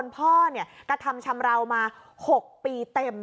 พ่อกระทำชำราวมา๖ปีเต็ม